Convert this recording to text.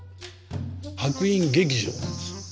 白隠劇場なんです。